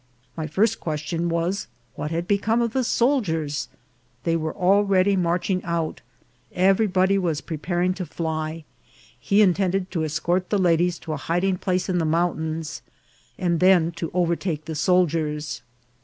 My first question was, What had become of the soldiers ? They were already marching out ; everybody was preparing to fly ; he intended to escort the ladies to a hiding place in the mountains, and then to overtake the sol diers.